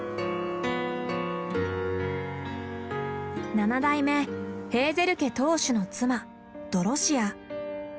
７代目ヘーゼル家当主の妻ドロシア。